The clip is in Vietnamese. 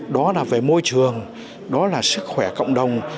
đó là về môi trường đó là sức khỏe cộng đồng